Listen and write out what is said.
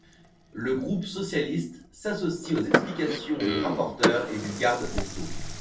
Le groupe socialiste s’associe aux explications du rapporteur et du garde des sceaux.